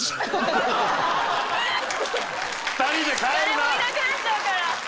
誰もいなくなっちゃうから。